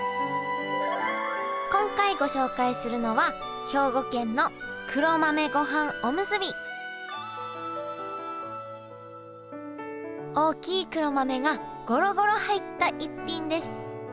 今回ご紹介するのは大きい黒豆がゴロゴロ入った逸品です。